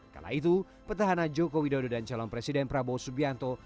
kala itu petahana joko widodo dan calon presiden prabowo subianto